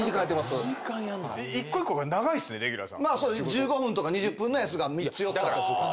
１５分とか２０分のやつが３つ４つあったりするから。